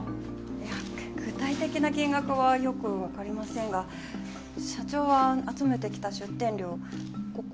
いや具体的な金額はよくわかりませんが社長は集めてきた出店料をここにしまってました。